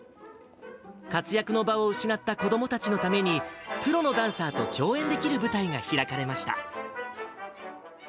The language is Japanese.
活躍の場を失った子どもたちのために、プロのダンサーと共演できる舞台が開かれました。